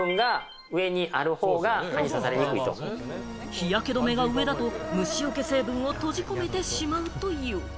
日焼け止めが上だと、虫よけ成分を閉じ込めてしまうという。